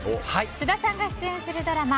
津田さんが出演するドラマ